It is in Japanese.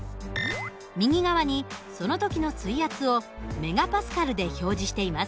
右側にその時の水圧をＭＰａで表示しています。